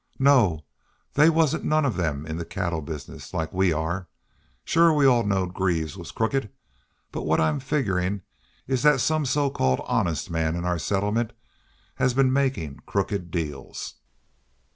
"No. They wasn't none of them in the cattle business, like we are. Shore we all knowed Greaves was crooked. But what I'm figgerin' is thet some so called honest man in our settlement has been makin' crooked deals."